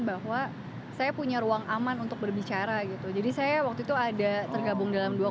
bahwa saya punya ruang aman untuk berbicara gitu jadi saya waktu itu ada tergabung dalam dua